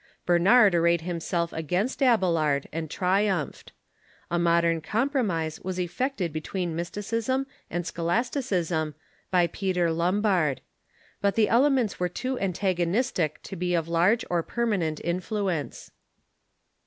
Bernard arrayed himself against Abe lard, and triumphed. A moderate compromise was effected between mysticism and scholasticism by Peter Lombard. But the elements were too antagonistic to be of large or per manent influence.